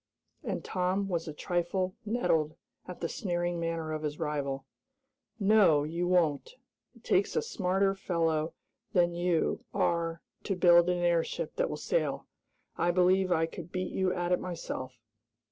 and Tom was a trifle nettled at the sneering manner of his rival. "No, you won't! It takes a smarter fellow than you are to build an airship that will sail. I believe I could beat you at it myself."